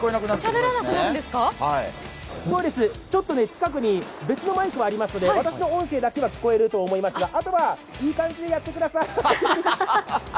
ちょっとね、近くに別のマイクがありますので私の音声だけは聞こえると思いますが、あとはいい感じでやってください。